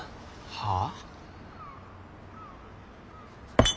はあ？